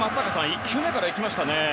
１球目から行きましたね。